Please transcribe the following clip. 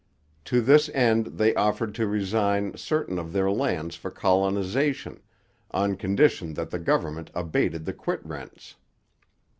To this end they offered to resign certain of their lands for colonization, on condition that the government abated the quit rents.